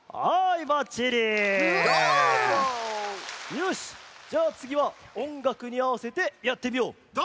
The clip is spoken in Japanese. よしじゃあつぎはおんがくにあわせてやってみよう。